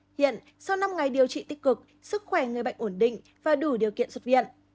hiện sau năm ngày điều trị tích cực sức khỏe người bệnh ổn định và đủ điều kiện xuất viện